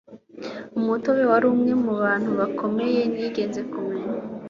umutobe wari umwe mu bantu bakomeye nigeze kumenya